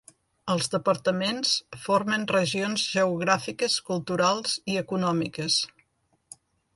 Els departaments formen regions geogràfiques, culturals i econòmiques.